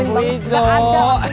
gak ada lampu hijau